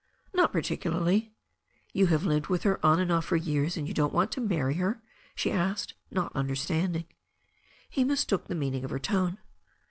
"Not particularly." "You have lived with her on and off for years, and you don't want to marry her?" she asked, not understanding. He mistook the meaning of her tone.